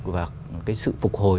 và cái sự phục hồi